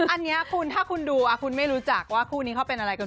อันนี้คุณถ้าคุณดูคุณไม่รู้จักว่าคู่นี้เขาเป็นอะไรกัน